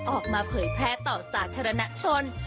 เผยแพร่ต่อสาธารณชน